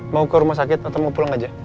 mau ke rumah sakit atau mau pulang aja